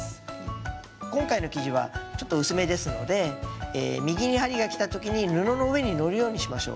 今回の生地はちょっと薄めですので右に針が来た時に布の上にのるようにしましょう。